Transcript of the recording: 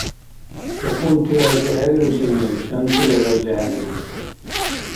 Тухумти разихӀебирусини шантира разихӀебиру.